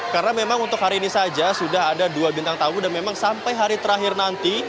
karena memang untuk hari ini saja sudah ada dua bintang tahu dan memang sampai hari terakhir nanti